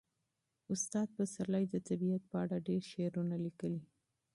استاد پسرلي د طبیعت په اړه ډېر شعرونه لیکلي.